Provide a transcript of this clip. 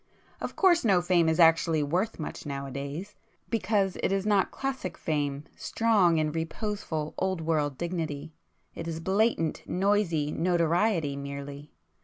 Of course no fame is actually worth much now a days,—because it is not classic fame, strong in reposeful old world dignity,—it is blatant noisy notoriety merely.